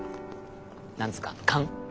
何つうか勘？